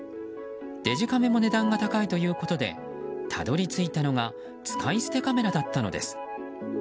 デジカメも値段が高いということでたどり着いたのが使い捨てカメラだったのです。